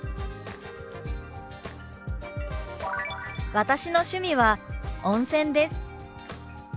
「私の趣味は温泉です」。